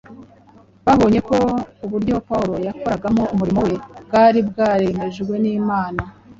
Babonye ko uburyo Pawulo yakoragamo umurimo we bwari bwaremejwe n’Imana